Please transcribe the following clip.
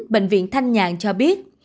bệnh viện thanh nhàng cho biết